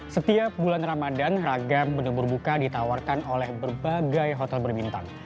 setiap bulan ramadan ragam penumbur buka ditawarkan oleh berbagai hotel berbintang